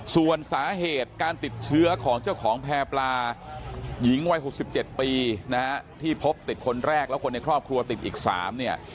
ส่วนสาเหตุการติดเชื้อของเจ้าของแพร่ปลาหญิงวัย๖๗ปีนะฮะที่พบติดคนแรกและคนในครอบครัวติดอีก๓เนี่ย